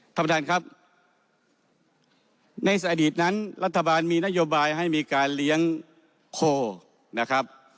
ท่านประธานครับในอดีตนั้นรัฐบาลมีนโยบายให้มีการเลี้ยงโคนะครับ